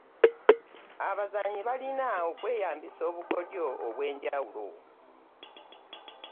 Abazaanyi balina okweyambisa obukodyo obwenjawulo.